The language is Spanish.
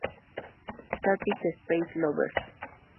Static Space Lovers.